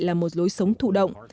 là một lối sống thụ động